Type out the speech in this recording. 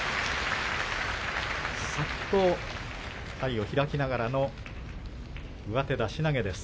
さっと体を開きながらの上手出し投げです。